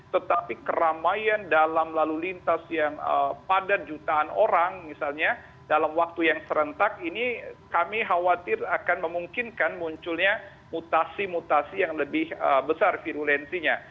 tetapi keramaian dalam lalu lintas yang padat jutaan orang misalnya dalam waktu yang serentak ini kami khawatir akan memungkinkan munculnya mutasi mutasi yang lebih besar virulensinya